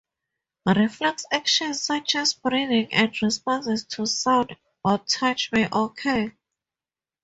Reflex actions such as breathing and responses to sound or touch may occur.